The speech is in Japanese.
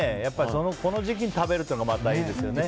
この時期に食べるのがまたいいですね。